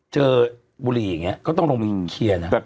บุรีอย่างนี้ก็ต้องลงไปเคลียร์นะ